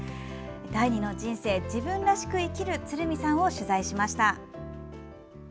第二の人生、自分らしく生きる鶴見さんを取材しました。